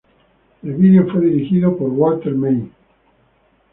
El vídeo fue dirigido por Walter May.